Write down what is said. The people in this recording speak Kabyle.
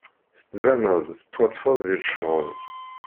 Tettbineḍ-d tettwaṭṭfeḍ di lecɣal.